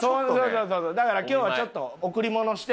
だから今日はちょっと贈り物して。